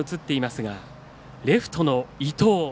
レフトの伊藤。